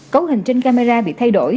cấu hình trên camera bị thay đổi